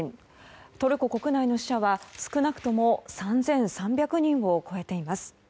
トルコ国内の死者は少なくとも３３００人を超えています。